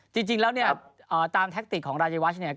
จริงแล้วเนี่ยตามแทคติกของรายวัชเนี่ย